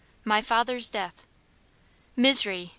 MY FATHER'S DEATH. Misery!